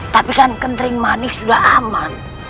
tapi kan kentring manik sudah aman